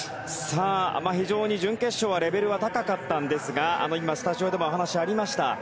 非常に準決勝はレベルが高かったんですがスタジオでもお話がありました